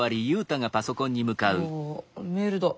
あメールだ。